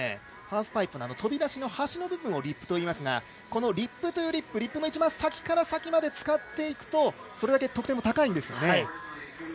ハーフパイプ飛び出しの端の部分をリップといいますがこのリップトゥリップリップの一番先から先まで使っていくとそれだけ得点も高いんですね。